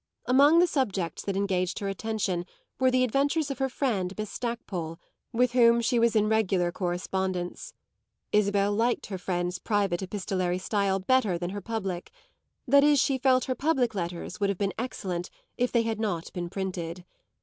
Among the subjects that engaged her attention were the adventures of her friend Miss Stackpole, with whom she was in regular correspondence. Isabel liked her friend's private epistolary style better than her public; that is she felt her public letters would have been excellent if they had not been printed.